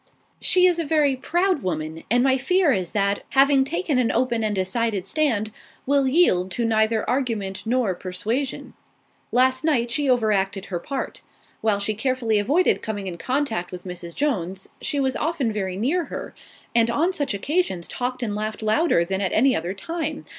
"She is a very proud woman, and my fear is that, having taken an open and decided stand, will yield to neither argument nor persuasion. Last night she overacted her part. While she carefully avoided coming in contact with Mrs. Jones, she was often near her, and on such occasions talked and laughed louder than at any other time.